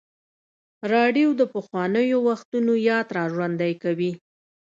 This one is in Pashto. راډیو د پخوانیو وختونو یاد راژوندی کوي.